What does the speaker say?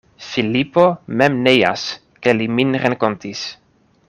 Filipo mem neas, ke li min renkontis.